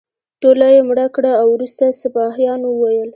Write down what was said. ټوله یې مړه کړه او وروسته سپاهیانو وویل.